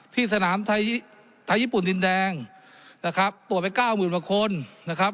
ที่สนามไทยญี่ปุ่นดินแดงนะครับตรวจไป๙๐๐๐๐คนนะครับ